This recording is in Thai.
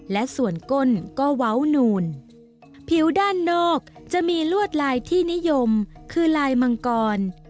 และส่วนก้นก็เว้านูนผิวด้านนอกจะมีลวดลายที่นิยมคือลายมังกร